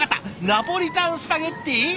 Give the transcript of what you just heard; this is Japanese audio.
ナポリタンスパゲッティ？